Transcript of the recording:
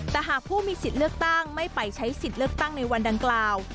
แต่หากผู้มีสิทธิ์เลือกตั้งไม่ไปใช้สิทธิ์เลือกตั้งในวันดังกล่าว